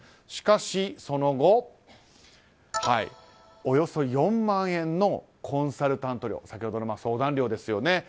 しかし、その後およそ４万円のコンサルタント料先ほどの相談料ですよね。